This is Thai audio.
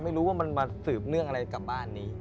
ไม่รู้ว่ามันมาสืบเนื่องอะไรกับบ้านนี้